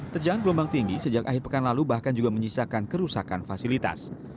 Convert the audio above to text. terjangan gelombang tinggi sejak akhir pekan lalu bahkan juga menyisakan kerusakan fasilitas